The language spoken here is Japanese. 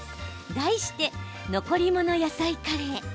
題して、残り物野菜カレー。